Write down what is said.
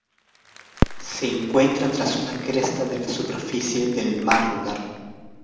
Se encuentra tras una cresta de la superficie del mar lunar.